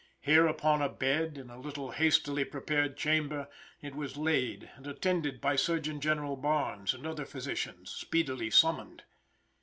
Here upon a bed, in a little hastily prepared chamber, it was laid and attended by Surgeon General Barnes and other physicians, speedily summoned.